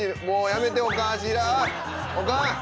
もうやめておかん。